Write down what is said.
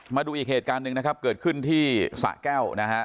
มาดูอีกเหตุการณ์หนึ่งนะครับเกิดขึ้นที่สะแก้วนะฮะ